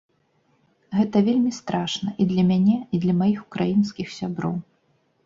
Гэта вельмі страшна, і для мяне, і для маіх украінскіх сяброў.